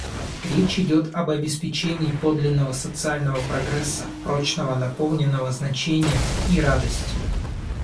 Речь идет об обеспечении подлинного социального прогресса, — прочного, наполненного значением и радостью.